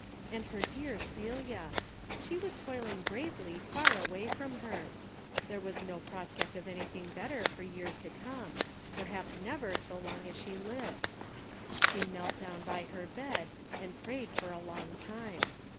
And her dear Celia ! She was toiling bravely far away from her ! There was no prospect of anything better for years to come, perhaps never so long as she 90 A DAILY RATE.''> lived. She knelt down by her bed, and prayed for a long time.